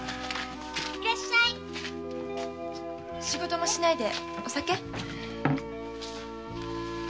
仕事もしないでお酒？